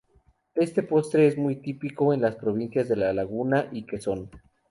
Este postre es muy típico en las provincias de La Laguna y Quezon.